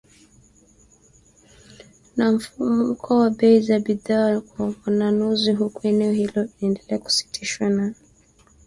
na mfumuko wa bei za bidhaa kwa wanunuzi huku eneo hilo likiendelea kutikiswa na